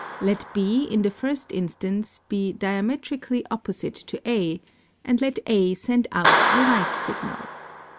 Let B in the first instance be diametrically opposite to A, and let A send out a light signal.